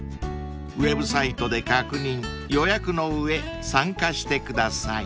［ウェブサイトで確認予約の上参加してください］